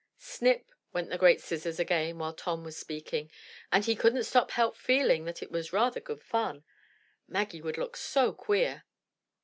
'' Snip! went the great scissors again while Tom was speaking, and he couldn't help feeling it was rather good fun; Maggie would look so queer.